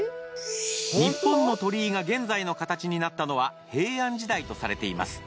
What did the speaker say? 日本の鳥居が現在の形になったのは平安時代とされています。